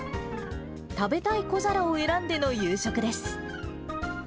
食べたい小皿を選んでの夕食です。